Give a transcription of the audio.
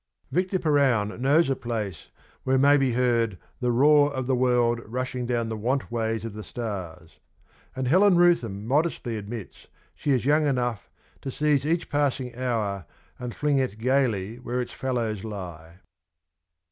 Victor Perowne knows a place where may be 111 heard ' the roar of the world rushing down the wantways of the stars'; and Helen Rootham modestly admits she is young enough to ' seize each passing hour and fling it gaily where its fellows lie.'